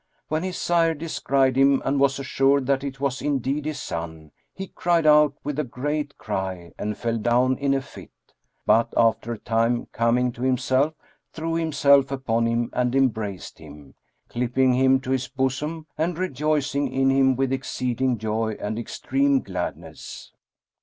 When his sire descried him and was assured that it was indeed his son, he cried out with a great cry and fell down in a fit, but after a time coming to himself, threw himself upon him and embraced him, clipping him to his bosom and rejoicing in him with exceeding joy and extreme gladness.